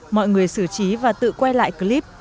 mọi người xử trí và tự quay lại clip